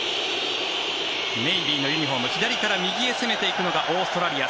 ネイビーのユニホーム左から右へ攻めていくのがオーストラリア。